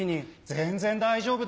全然大丈夫です。